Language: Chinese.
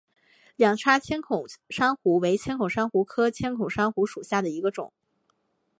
两叉千孔珊瑚为千孔珊瑚科千孔珊瑚属下的一个种。